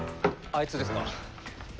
あいつですか？